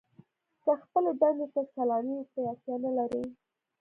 که خپلې دندې ته سلامي وکړئ اړتیا نه لرئ.